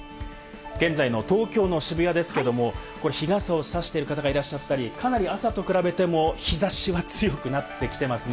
現在の東京の渋谷ですけれども、日傘をさしてる方がいらっしゃったり、かなり朝と比べても日差しは強くなってきてますね。